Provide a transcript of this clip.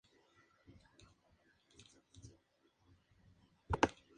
Howard nació en Cambridge, Ohio.